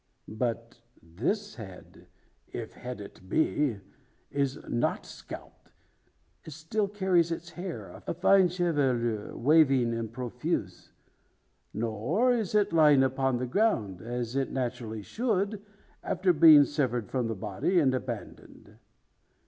But this head if head it be is not scalped. It still carries its hair a fine chevelure, waving and profuse. Nor is it lying upon the ground, as it naturally should, after being severed from the body, and abandoned.